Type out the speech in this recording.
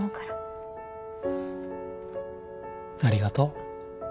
ありがとう。